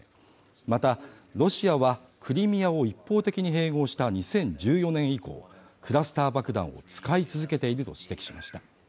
また、ロシアはクリミアを一方的に併合した２０１４年以降、クラスター爆弾を使い続けていると指摘しました。